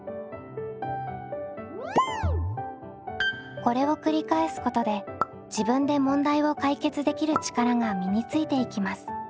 これを繰り返すことで自分で問題を解決できる力が身についていきます。